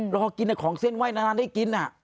รอกินแต่ของเส้นไหว้นานได้กิน